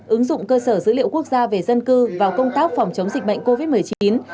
ứng dụng cơ sở dữ liệu quốc gia về dân cư vào công tác phòng chống dịch bệnh covid một mươi chín